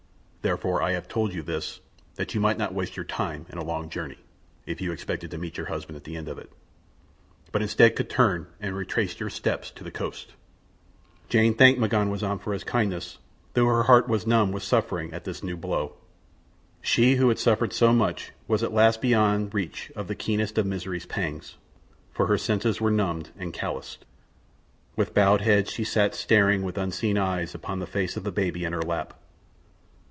Therefore I have told you this that you might not waste your time in a long journey if you expected to meet your husband at the end of it; but instead could turn and retrace your steps to the coast." Jane thanked M'ganwazam for his kindness, though her heart was numb with suffering at this new blow. She who had suffered so much was at last beyond reach of the keenest of misery's pangs, for her senses were numbed and calloused. With bowed head she sat staring with unseeing eyes upon the face of the baby in her lap.